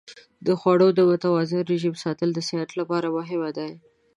د خوړو د متوازن رژیم ساتل د صحت لپاره مهم دی.